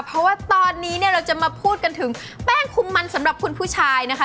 เพราะว่าตอนนี้เนี่ยเราจะมาพูดกันถึงแป้งคุมมันสำหรับคุณผู้ชายนะคะ